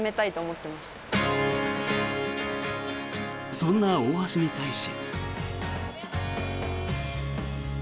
そんな大橋に対し。